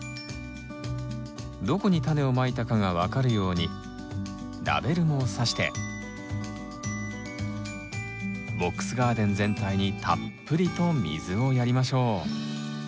どこにタネをまいたかが分かるようにラベルもさしてボックスガーデン全体にたっぷりと水をやりましょう。